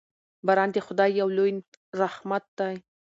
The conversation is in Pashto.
باران د خدای یو لوی رحمت دی.